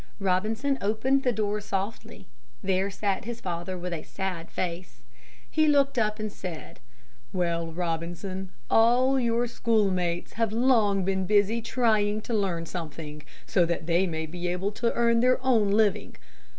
Robinson opened the door softly. There sat his father with a sad face. He looked up and said, "Well, Robinson, all your schoolmates have long been busy trying to learn something, so that they may be able to earn their own living.